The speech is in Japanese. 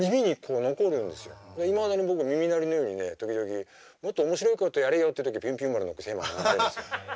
いまだに僕耳鳴りのようにね時々もっと面白いことやれよっていう時「ピュンピュン丸」のテーマが流れるんですよ。